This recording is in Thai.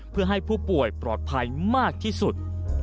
เพื่อให้ผู้ป่วยปลอดภัยมากที่สุด